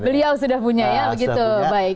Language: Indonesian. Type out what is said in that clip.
beliau sudah punya ya begitu baik